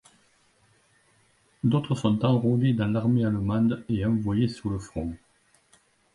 D'autres sont enrôlés dans l'armée allemande et envoyés sur le front.